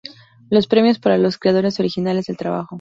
Los premios para los creadores originales del trabajo.